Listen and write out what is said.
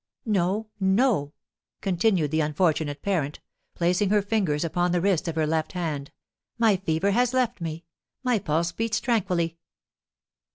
No, no," continued the unfortunate parent, placing her fingers upon the wrist of her left hand, "my fever has left me, my pulse beats tranquilly."